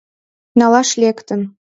Налаш лектын.